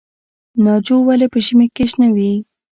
ناجو ولې په ژمي کې شنه وي؟